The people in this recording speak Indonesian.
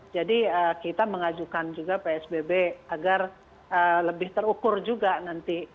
jadi kita mengajukan juga psbb agar lebih terukur juga nanti